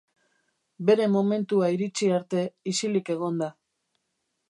Bere momentua iritsi arte isilik egon da.